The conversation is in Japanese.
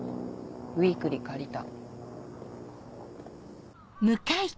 ウイークリー借りた。